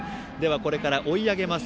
これから追い上げます